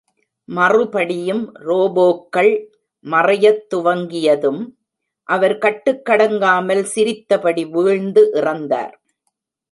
மறுபடியும் ரோபோக்கள் மறையத் துவங்கியதும், அவர் கட்டுக்கடங்காமல் சிரித்தப்படி வீழ்ந்து இறந்தார்.